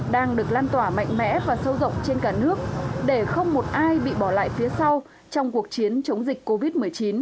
đang được lan tỏa mạnh mẽ và sâu rộng trên cả nước để không một ai bị bỏ lại phía sau trong cuộc chiến chống dịch covid một mươi chín